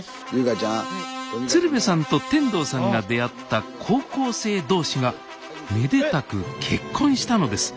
鶴瓶さんと天童さんが出会った高校生同士がめでたく結婚したのですえっ